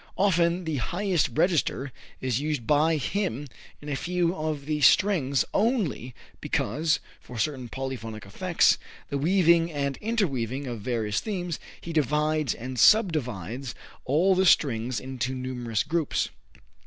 Often the highest register is used by him in a few of the strings only, because, for certain polyphonic effects the weaving and interweaving of various themes he divides and subdivides all the strings into numerous groups.